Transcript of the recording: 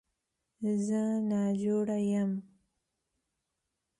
زه ناجوړه یم Self Citation